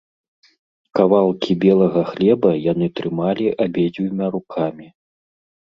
Кавалкі белага хлеба яны трымалі абедзвюма рукамі.